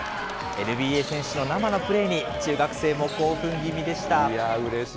ＮＢＡ選手の生のプレーに中学生も興奮気味でした。